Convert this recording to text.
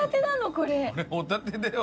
これホタテだよ。